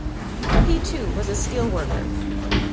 He too, was a steel worker.